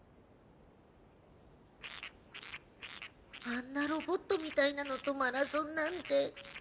あんなロボットみたいなのとマラソンなんて。